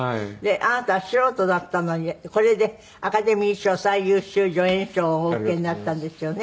あなたは素人だったのにこれでアカデミー賞最優秀助演賞をお受けになったんですよね。